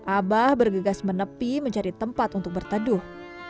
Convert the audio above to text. abah bergegas menepi mencari tempat untuk berteduh